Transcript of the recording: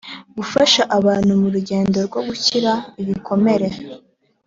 gufasha abantu mu rugendo rwo gukira ibikomere